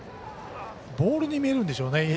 ボールに見えるんでしょうね。